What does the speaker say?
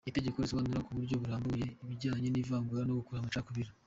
Itegeko risobanura ku buryo burambuye ibijyanye n‟ivangura no gukurura amacakubiri.